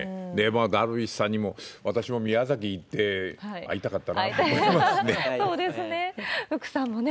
ダルビッシュさんにも、私も宮崎行って会いたかったなと思いますそうですね。